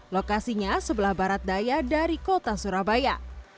lokasinya sebelah barat daya dari kota surabaya